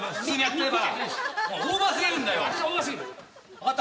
分かった。